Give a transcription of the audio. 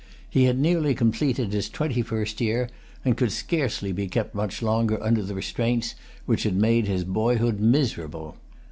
He had nearly completed his twenty first year, and could scarcely be kept much longer under the restraints which had made his boyhood miserable.